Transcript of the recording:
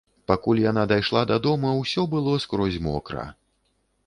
Пакуль яна дайшла да дома, усё было скрозь мокра.